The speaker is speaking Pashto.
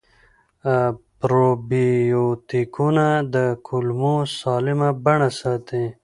پروبیوتیکونه د کولمو سالمه بڼه ساتي.